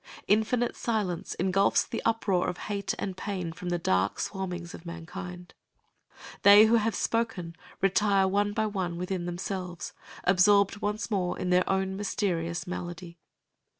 Infinite silence engulfs the uproar of hate and pain from the dark swarmings of mankind. They who have spoken retire one by one within themselves, absorbed once more in their own mysterious malady.